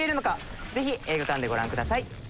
ぜひ映画館でご覧ください。